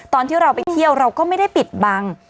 ตอนที่เราไปเที่ยวเราก็ไม่ได้ปิดบัง